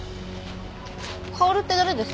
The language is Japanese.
薫って誰です？